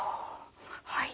はい。